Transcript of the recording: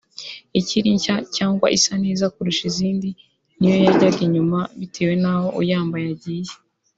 Ikiri nshya cyangwa isa neza kurusha izindi niyo yajyaga inyuma bitewe n’aho uyambaye agiye